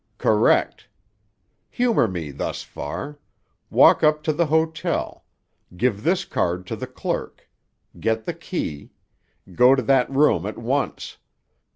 "Correct. Humor me thus far. Walk up to the hotel. Give this card to the clerk. Get the key. Go to that room at once.